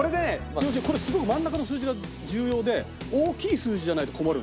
要するにこれすごく真ん中の数字が重要で大きい数字じゃないと困る。